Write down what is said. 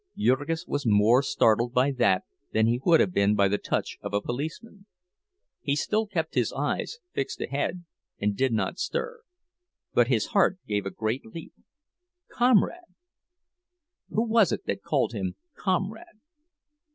Jurgis was more startled by that than he would have been by the touch of a policeman. He still kept his eyes fixed ahead, and did not stir; but his heart gave a great leap. Comrade! Who was it that called him "comrade"?